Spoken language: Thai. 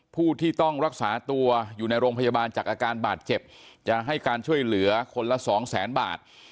ผู้ที่ต้องรักษาตัวอยู่ในโรงพยาบาลจากอาการบาดเจ็บจะให้การช่วยเหลือคนละสองแสนบาท